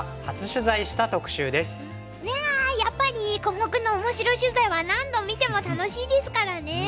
いややっぱりコモクのオモシロ取材は何度見ても楽しいですからね。